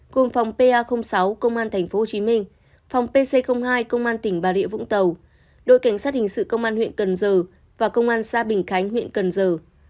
cùng phòng pa sáu công an tp hcm phòng pc hai công an tỉnh bà rịa vũng tàu đội cảnh sát hình sự công an huyện cần giờ và công an xã bình khánh huyện cần giờ